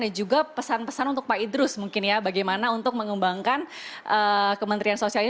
dan juga pesan pesan untuk pak idrus mungkin ya bagaimana untuk mengembangkan kementerian sosial ini